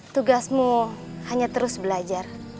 tugasmu hanya terus belajar